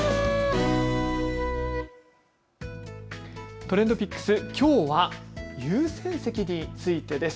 ＴｒｅｎｄＰｉｃｋｓ、きょうは優先席についてです。